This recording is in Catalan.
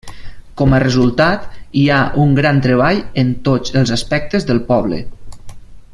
Com a resultat, hi ha un gran treball en tots els aspectes del poble.